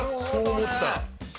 そう思ったら。